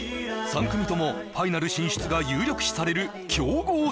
３組ともファイナル進出が有力視される強豪